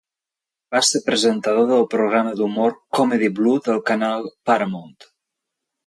Va ser presentador del programa d'humor Comedy Blue del canal Paramount.